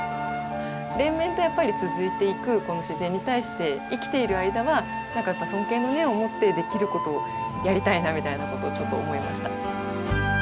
連綿とやっぱり続いていくこの自然に対して生きている間はなんかやっぱ尊敬の念を持ってできることをやりたいなみたいなことをちょっと思いました。